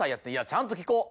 ちゃんと聞こう。